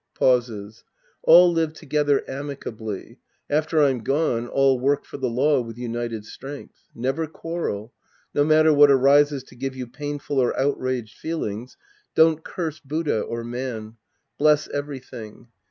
{Pauses.) All live together amicably. After I'm gone, all work for the law with united strength. Never quarrel. No matter what arises to give you painful or outraged feelings, don't curse Buddha or man. Bless everytliing.